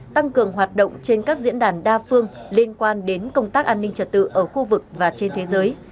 tăng cường hoạt động trên các diễn đàn đa phương liên quan đến công tác an ninh trật tự ở khu vực và trên thế giới